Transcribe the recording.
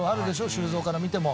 修造から見ても。